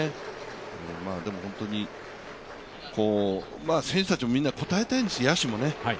でも本当に、選手たちもみんな応えたいんですよ、野手も。